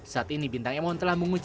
saat ini bintang emon telah menguji